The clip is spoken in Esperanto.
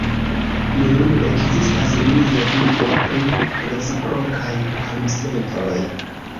Nun ekzistas nenia dubo pri reciprokaj amsentoj.